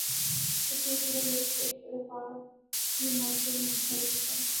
تو پھر پورا ملک ایک رفاہی معاشرے میں ڈھل سکتا ہے۔